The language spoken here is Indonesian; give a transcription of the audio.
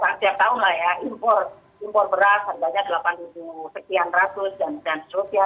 setiap tahun lah ya impor beras harganya delapan sekian ratus dan seterusnya